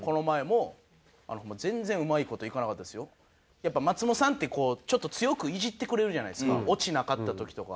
やっぱ松本さんってこうちょっと強くいじってくれるじゃないですかオチなかった時とか。